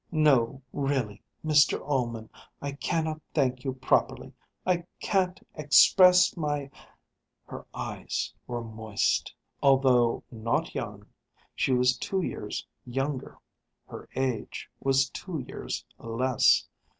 No, really, Mr Ullman, I cannot thank you properly! I can't express my " Her eyes were moist. Although not young, she was two years younger. Her age was two years less.